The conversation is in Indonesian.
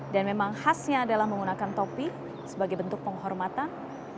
dan memang khasnya adalah menggunakan topi sebagai bentuk penghormatan